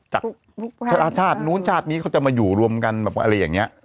จากชาตินู้นชาตินี้เขาจะมาอยู่รวมกันแบบอะไรอย่างนี้